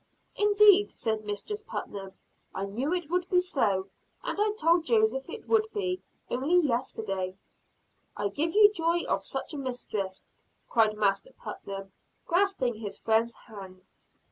"Indeed!" said Mistress Putnam. "I knew it would be so; and I told Joseph it would be, only yesterday." "I give you joy of such a mistress!" cried Master Putnam, grasping his friend's hand.